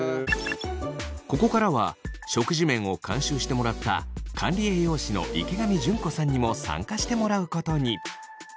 ここからは食事面を監修してもらった管理栄養士の池上淳子さんにも参加してもらうことに。